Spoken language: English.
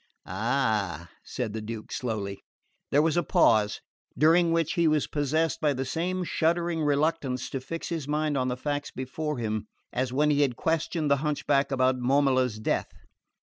"Ah " said the Duke slowly. There was a pause, during which he was possessed by the same shuddering reluctance to fix his mind on the facts before him as when he had questioned the hunchback about Momola's death.